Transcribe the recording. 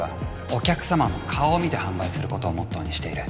お客様の顔を見て販売することをモットーにしている